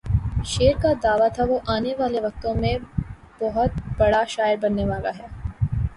شعر کا دعویٰ تھا وہ آنے والے وقتوں میں بہت بڑا شاعر بننے والا ہے۔